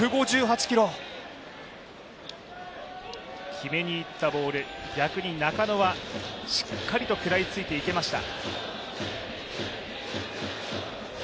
決めにいったボール、逆に中野はしっかりと食らいついていけました。